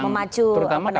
memacu terutama kpk